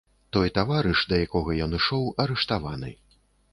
Той таварыш, да якога ён ішоў, арыштаваны.